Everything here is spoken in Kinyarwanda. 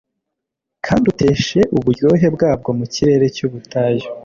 Kandi uteshe uburyohe bwabwo mukirere cyubutayu.